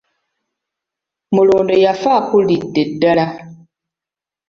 Mulondo yafa akulidde ddala.